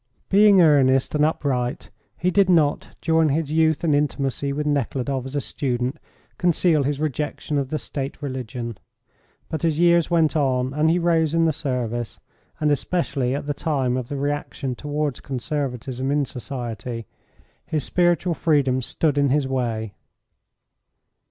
Being earnest and upright, he did not, during his youth and intimacy with Nekhludoff as a student, conceal his rejection of the State religion. But as years went on and he rose in the service, and especially at the time of the reaction towards conservatism in society, his spiritual freedom stood in his way.